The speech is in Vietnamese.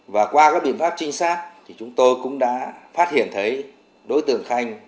và qua các biện pháp trinh sát thì chúng tôi cũng đã phát hiện thấy đối tượng khanh